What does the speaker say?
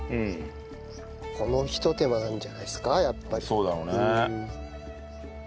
そうだろうね。